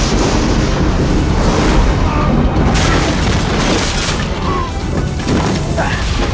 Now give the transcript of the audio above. terimalah ya santa